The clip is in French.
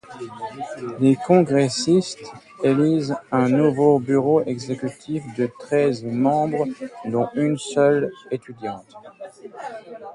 Les congressistes élisent un nouveau bureau exécutif de treize membres dont une seule étudiante.